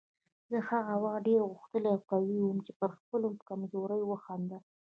زه هغه وخت ډېر غښتلی او قوي وم چې پر خپلې کمزورۍ وخندل.